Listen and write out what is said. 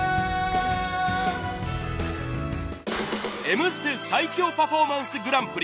『Ｍステ』最強パフォーマンスグランプリ